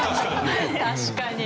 確かに。